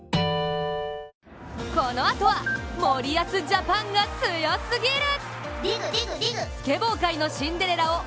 このあとは森保ジャパンが強すぎる！